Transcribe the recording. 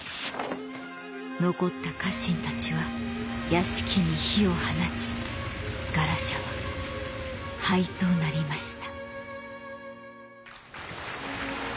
残った家臣たちは屋敷に火を放ちガラシャは灰となりました。